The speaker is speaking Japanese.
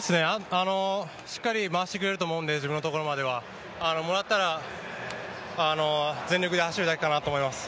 しっかり回してくれると思うんで、自分のところまではもらったら、全力で走るだけかなと思います。